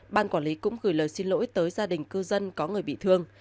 ban quản lý cũng gửi lời xin lỗi tới gia đình cư dân có người bị thương